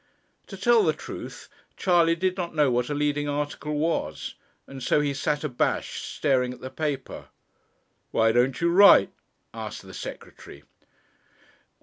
To tell the truth, Charley did not know what a leading article was, and so he sat abashed, staring at the paper. 'Why don't you write?' asked the Secretary.